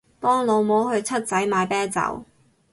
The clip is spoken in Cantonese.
幫老母去七仔買啤酒